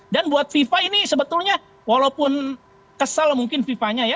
dan buat viva ini sebetulnya walaupun kesal mungkin vivanya ya